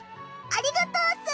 ありがとうっす。